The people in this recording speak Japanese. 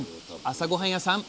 朝ごはんやさん